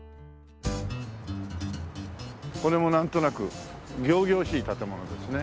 これもなんとなく仰々しい建物ですね。